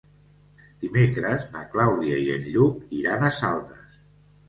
Dimecres na Clàudia i en Lluc iran a Saldes.